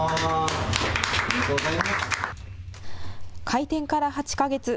開店から８か月。